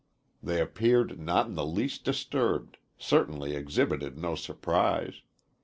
They appeared not in the least disturbed, certainly exhibited no surprise.